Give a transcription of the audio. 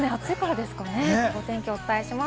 お天気をお伝えします。